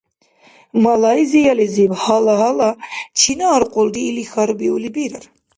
Малайзиялизиб гьала-гьала «Чина аркьулри?» или хьарбиули бирар.